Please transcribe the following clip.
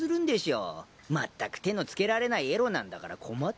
まったく手の付けられないエロなんだから困ってしまう。